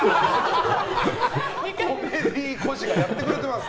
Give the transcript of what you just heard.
コメディーコジがやってくれてます。